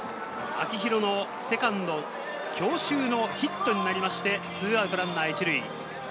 秋広のセカンド強襲のヒットになりまして、２アウトランナー１塁。